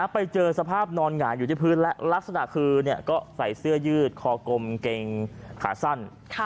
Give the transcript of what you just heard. ไปเจอสภาพนอนหงายอยู่ที่พื้นและลักษณะคือก็ใส่เสื้อยืดคอกลมเกงขาสั้น